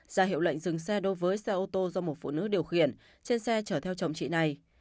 ra hiệu lệnh dừng xe đối với xe ô tô do một phụ nữ điều khiển trên xe chở theo chồng chị này